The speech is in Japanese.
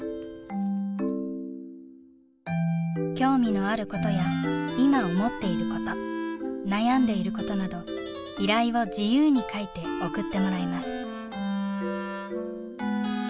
興味のあることや今思っていること悩んでいることなど依頼を自由に書いて送ってもらいます。